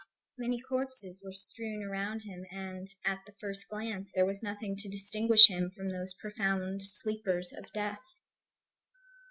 Many corpses were strewn around him; and, at the first glance, there was nothing to distinguish him from those profound sleepers of death.